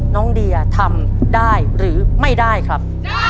น้องเดียทำได้หรือไม่ได้ครับ